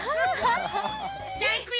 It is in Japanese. じゃあいくよ。